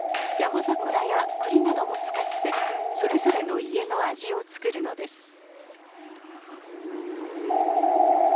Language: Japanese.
ヤマザクラやクリなども使ってそれぞれの家の味を作るのです。